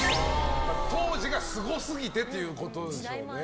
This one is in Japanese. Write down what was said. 当時がすごすぎてということでしょうね。